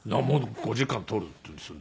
「５時間取る」って言うんですよ